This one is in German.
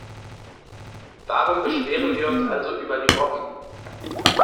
Warum beschweren wir uns also über die Robben?